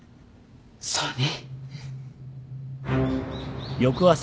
そうね。